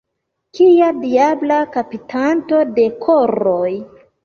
Kia diabla kaptanto de koroj!